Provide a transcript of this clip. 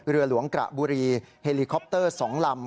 เรือหลวงกระบุรีเฮลิคอปเตอร์๒ลำ